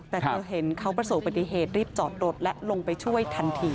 แต่เธอเห็นเขาประสบปฏิเหตุรีบจอดรถและลงไปช่วยทันที